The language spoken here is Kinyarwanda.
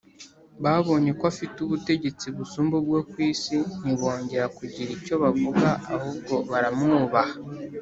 babonye ko afite ubutegetsi busumba ubwo ku isi, ntibongera kugira icyo bavuga ahubwo baramwubaha